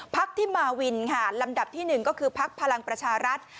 ที่มาวินค่ะลำดับที่๑ก็คือพักพลังประชารัฐ